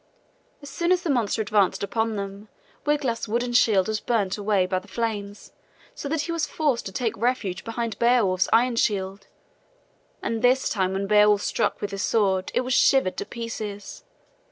As soon as the monster advanced upon them, Wiglaf's wooden shield was burnt away by the flames, so that he was forced to take refuge behind Beowulf's iron shield; and this time when Beowulf struck with his sword, it was shivered to pieces.